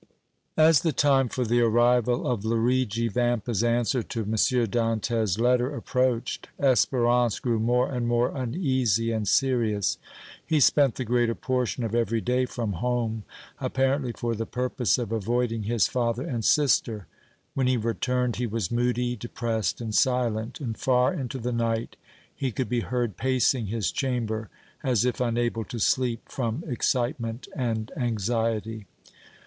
As the time for the arrival of Luigi Vampa's answer to M. Dantès' letter approached, Espérance grew more and more uneasy and serious; he spent the greater portion of every day from home, apparently for the purpose of avoiding his father and sister; when he returned he was moody, depressed and silent, and far into the night he could be heard pacing his chamber as if unable to sleep from excitement and anxiety.